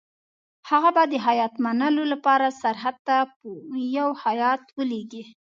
هغه به د هیات منلو لپاره سرحد ته یو هیات ولېږي.